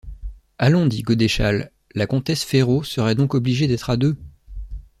Allons, dit Godeschal, la comtesse Ferraud serait donc obligée d’être à deux...